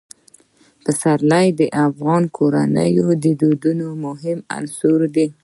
پسرلی د افغان کورنیو د دودونو مهم عنصر دی.